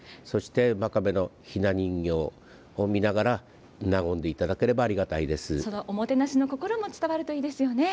そして真壁のひな人形を見ながら、和んでいただければありがたいでそのおもてなしの心も伝わるといいですよね。